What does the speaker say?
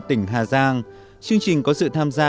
tỉnh hà giang chương trình có sự tham gia